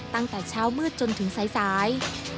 ตั้งแต่เช้ามืดจนถึงสาย